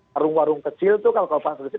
warung warung kecil itu kalau pas